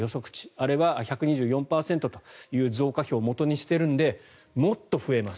あれは１２４％という増加比をもとにしているのでもっと増えます。